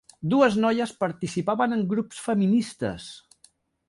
Dues noies participaven en grups feministes.